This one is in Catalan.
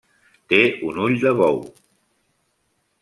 Té un ull de bou.